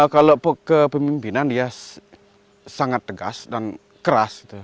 kalau kepemimpinan dia sangat tegas dan keras